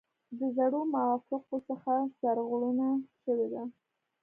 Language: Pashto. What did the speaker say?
د زړو موافقو څخه سرغړونه شوې ده.